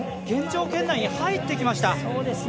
決勝圏内に入ってきました。